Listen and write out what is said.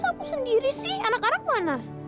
aku sendiri sih anak anak mana